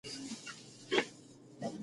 ټولنیز فکر د ټولنې له تاریخ سره تړاو لري.